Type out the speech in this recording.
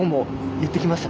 言ってきました。